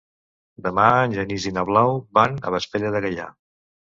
Demà en Genís i na Blau van a Vespella de Gaià.